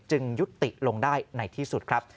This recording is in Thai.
ยุติลงได้ในที่สุดครับ